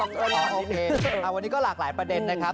โอเควันนี้ก็หลากหลายประเด็นนะครับ